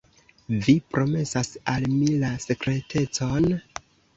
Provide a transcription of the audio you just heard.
Vi promesas al mi la sekretecon?